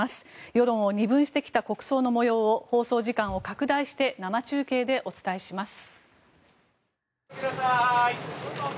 世論を二分してきた国葬の模様を放送時間を拡大して生中継でお伝えします。